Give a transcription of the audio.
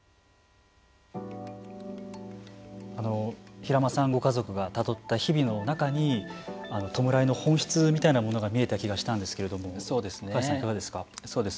平間さんご家族がたどった日々の中に、弔いの本質みたいなものが見えた気がしたんですけれども鵜飼さん、いかがですか。